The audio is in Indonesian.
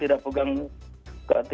tidak pegang buku tabungan